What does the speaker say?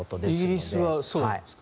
イギリスはそうなんですか